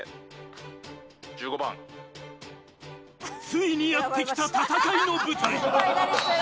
「ついにやって来た戦いの舞台！」